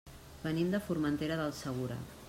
Venim de Formentera del Segura.